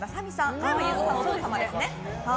加山雄三さんのお父様ですね。